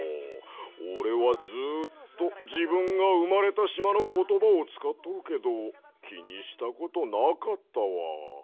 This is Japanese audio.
おれはずっとじぶんがうまれたしまのことばをつかっとるけどきにしたことなかったわ。